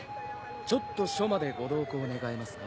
ちょっと署までご同行願えますか？